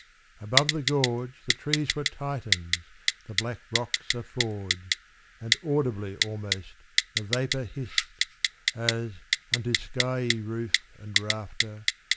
Above the gorge The trees were Titans, the black rocks a forge. And audibly almost the vapour hissed ; As, unto skiey roof and rafter.